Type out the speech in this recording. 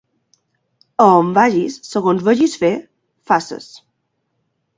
A on vages, segons veges fer, faces.